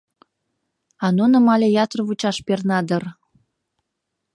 А нуным але ятыр вучаш перна дыр.